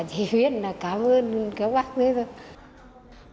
thì biết là cảm ơn các bác đấy thôi